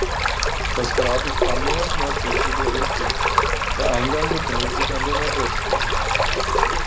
Das Grab ist annähernd nordsüdlich orientiert, der Eingang befindet sich an der Nordwestecke.